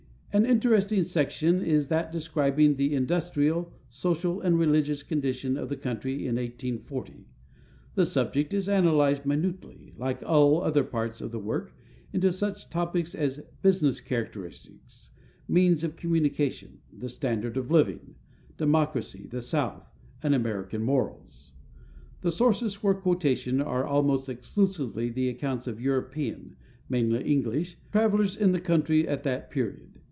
An interesting section is that describing the industrial, social, and religious condition of the country in 1840. The subject is analyzed minutely, like all other parts of the work, into such topics as "business characteristics," "means of communication," "the standard of living," "democracy," "the South," and "American Morals." The sources for quotation are almost exclusively the accounts of European mainly English travelers in the country at the period.